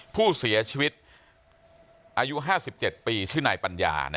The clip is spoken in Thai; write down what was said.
ผู้เสียชีวิตอายุ๕๗ปีชื่อนายปัญญา